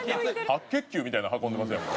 白血球みたいなの運んでますやん。